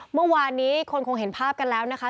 เมื่อวานนี้คนคงเห็นภาพกันแล้วนะคะ